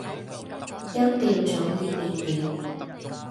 音調早已變了